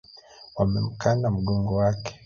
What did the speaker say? Wamemkanda mgongo wake.